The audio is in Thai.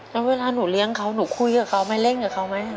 แล้วเวลาหนูเลี้ยงเขาหนูคุยกับเขาไหมเล่นกับเขาไหม